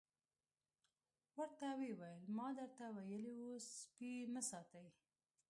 ورته ویې ویل ما درته ویلي وو سپي مه ساتئ.